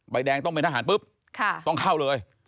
แดงต้องเป็นทหารปุ๊บต้องเข้าเลย